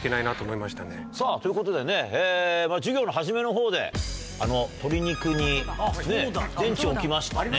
さぁということでね授業の初めのほうで鶏肉に電池を置きましたね。